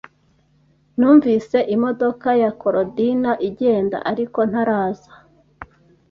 Numvise imodoka ya Korodina igenda, ariko ntaraza.